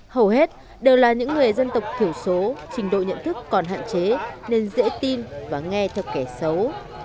hầu hết đều là những người dân tộc thiểu số trình độ nhận thức còn hạn chế nên dễ tin và nghe theo kẻ xấu